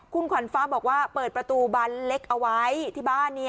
คุณขวัญฟ้าบอกว่าเปิดประตูบานเล็กเอาไว้ที่บ้าน